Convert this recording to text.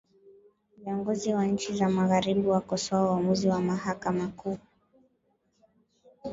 Viongozi wa nchi za magharibi wakosowa uamuzi wa Mahakama Kuu